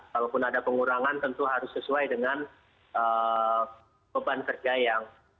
kalaupun ada pengurangan tentu harus sesuai dengan beban kerja yang